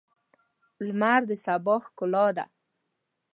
لمر د سبا ښکلا ده.